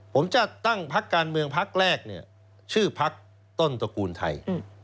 ผมจะตั้งพักการเมืองพักแรกเนี่ยชื่อพักต้นตระกูลไทย